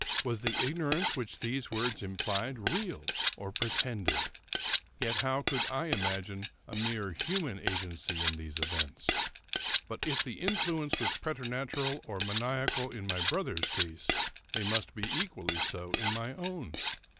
Was the ignorance which these words implied real or pretended? Yet how could I imagine a mere human agency in these events? But, if the influence was preternatural or maniacal in my brother's case, they must be equally so in my own.